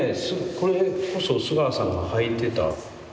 これこそ須川さんが履いてた。